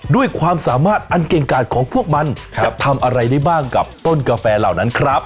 ด้วยความสามารถอันเก่งกาดของพวกมันจะทำอะไรได้บ้างกับต้นกาแฟเหล่านั้นครับ